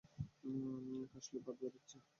কাসলেই পাদ বেরাচ্ছে।